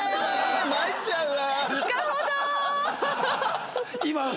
まいっちゃうわ！